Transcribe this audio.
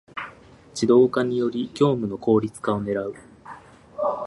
ⅱ 自動化により業務の効率化を狙う